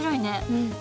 うん。